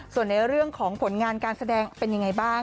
ส่วนในเรื่องของผลงานการแสดงเป็นยังไงบ้าง